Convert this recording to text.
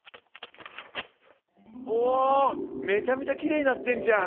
おめちゃめちゃキレイになってんじゃん。